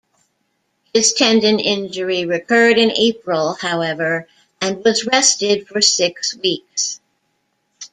His tendon injury recurred in April, however, and was rested for six weeks.